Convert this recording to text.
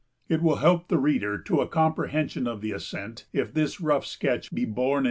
It will help the reader to a comprehension of the ascent if this rough sketch be borne in mind.